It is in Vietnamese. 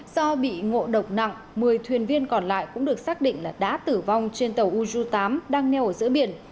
do bị ngộ độc nặng một mươi thuyền viên còn lại cũng được xác định là đã tử vong trên tàu uzu tám đang neo ở giữa biển